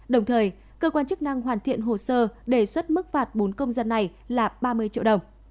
đồng thời cơ quan chức năng hoàn thiện hồ sơ đề xuất mức phạt bốn công dân này là ba mươi triệu đồng